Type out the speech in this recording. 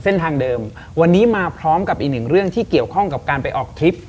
เส้นทางเดิมวันนี้มาพร้อมกับอีกหนึ่งเรื่องที่เกี่ยวข้องกับการไปออกทริป